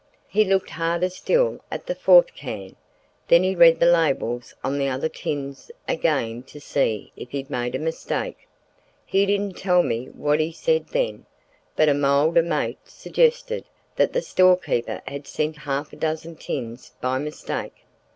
He looked harder still at the fourth can; then he read the labels on the other tins again to see if he'd made a mistake. He didn't tell me what he said then, but a milder mate suggested that the storekeeper had sent half a dozen tins by mistake.